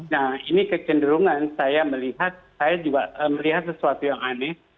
nah ini kecenderungan saya melihat saya juga melihat sesuatu yang aneh